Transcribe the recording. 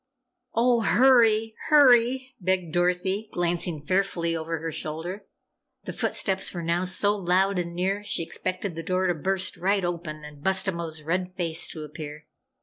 "Oh, hurry! Hurry!" begged Dorothy, glancing fearfully over her shoulder. The footsteps were now so loud and near, she expected the door to burst right open and Bustabo's red face to appear.